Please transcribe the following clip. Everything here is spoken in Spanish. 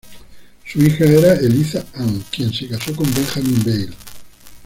Su hija era Eliza Ann quien se casó con Benjamin Vail.